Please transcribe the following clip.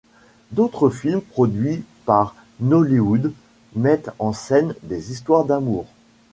D'autres films produits par Nollywood mettent en scène des histoires d'amour.